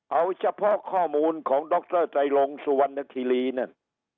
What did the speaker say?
เอาเฉพาะข้อมูลของดรไตรลงสุวรรณคิรีนั่น